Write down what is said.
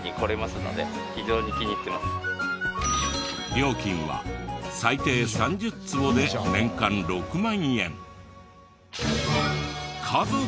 料金は最低３０坪で年間６万円。